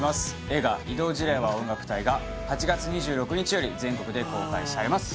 映画「異動辞令は音楽隊！」が８月２６日より全国で公開されます